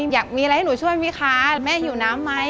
อยากมีอะไรให้หนูช่วยไหมคะแม่หิวน้ำไหม